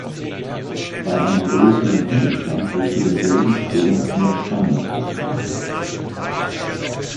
Bei einem größeren Widerstand wird für denselben Strom mehr Spannung aufgebaut.